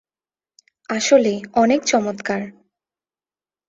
আসলেই অনেক চমৎকার।